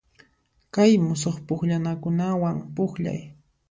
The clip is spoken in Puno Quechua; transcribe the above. Kay musuq pukllanakunawan pukllay.